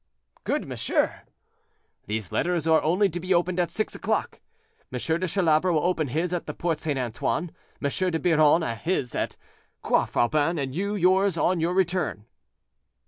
"Good, monsieur." "These letters are only to be opened at six o'clock. M. de Chalabre will open his at the Porte St. Antoine, M. de Biron his at the Croix Faubin, and you yours on your return."